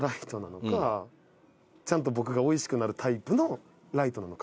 「ちゃんと僕がおいしくなるタイプのライトなのか」